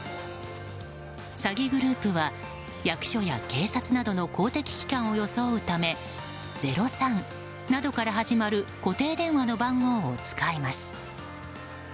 詐欺グループは役所や警察などの公的機関を装うため０３などから始まる固定電話の番号を使います。